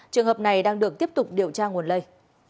trường hợp này đang được tiếp tục điều tra nguồn lây